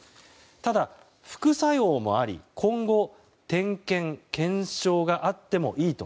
ただ、副作用もあり今後、点検・検証があってもいいと。